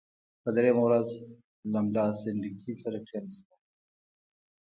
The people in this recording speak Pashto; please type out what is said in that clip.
په دریمه ورځ له ملا سنډکي سره کښېنستلم.